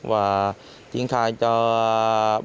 và triển khai cho các tổ điểm quán cà phê